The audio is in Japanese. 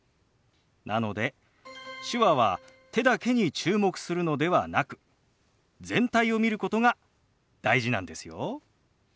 なので手話は手だけに注目するのではなく全体を見ることが大事なんですよ。